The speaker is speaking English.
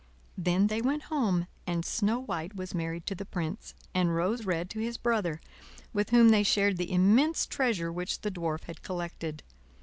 Then they went home, and Snow White was married to the prince, and Rose Red to his brother, with whom they shared the immense treasure which the Dwarf had collected.